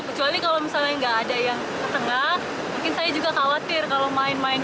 kecuali kalau misalnya nggak ada yang ke tengah mungkin saya juga khawatir kalau main main